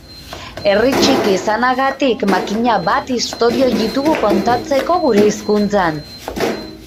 Herri txiki izanagatik makina bat istorio ditugu kontatzeko gure hizkuntzan.